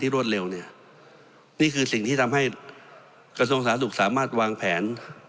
รวดเร็วเนี่ยนี่คือสิ่งที่ทำให้กระทรวงสาธารณสุขสามารถวางแผน